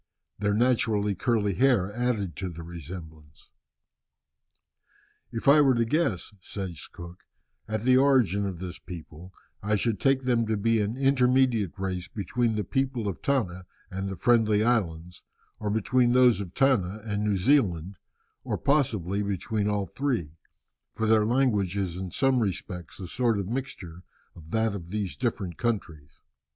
Their naturally curly hair added to the resemblance. "If I were to guess," says Cook, "at the origin of this people, I should take them to be an intermediate race between the people of Tanna and the Friendly Islands, or between those of Tanna and New Zealand, or possibly between all three, for their language is in some respects a sort of mixture of that of these different countries."